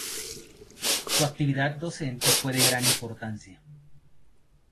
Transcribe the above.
Su actividad docente fue de gran importancia.